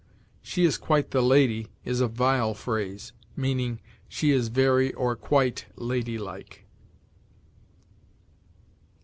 "She is quite the lady," is a vile phrase, meaning, "She is very or quite ladylike."